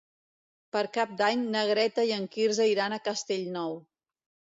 Per Cap d'Any na Greta i en Quirze iran a Castellnou.